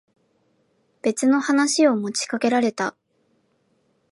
別の話を持ちかけられた。